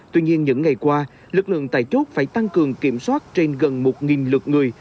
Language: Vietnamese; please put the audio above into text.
tuy nhiên những ngày qua lực lượng tại chốt phải tăng cường kiểm soát trên gần một lượt người